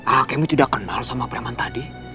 akemi tidak kenal sama preman tadi